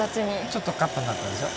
ちょっとカップになったでしょ。